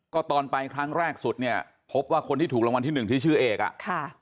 ก็ตอนไปครั้งแรกสุดเนี่ยพบว่าคนที่ถูกรางวัลที่หนึ่งที่ชื่อเอกอ่ะค่ะ